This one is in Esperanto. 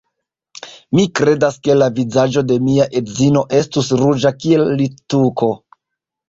Mi kredas, ke la vizaĝo de mia edzino estus ruĝa kiel littuko.